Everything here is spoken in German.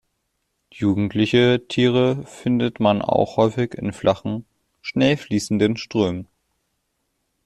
Jugendliche Tiere findet man auch häufig in flachen, schnell fließenden Strömen.